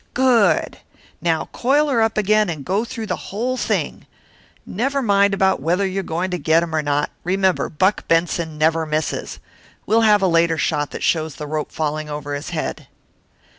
Good! Now coil her up again and go through the whole thing. Never mind about whether you're going to get him or not. Remember, Buck Benson never misses. We'll have a later shot that shows the rope falling over his head."